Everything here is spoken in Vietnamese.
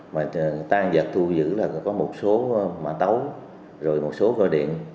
mà tan và thu giữ là có một số mạ tấu rồi một số gói điện